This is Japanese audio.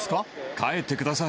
帰ってください。